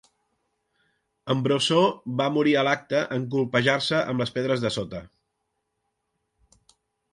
En Brosseau va morir a l'acte en colpejar-se amb les pedres de sota.